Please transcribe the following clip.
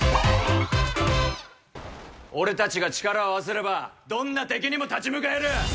俺たちが力を合わせれば、どんな敵にも立ち向かえる！